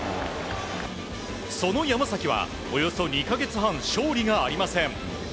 その山崎は、およそ２か月半勝利がありません。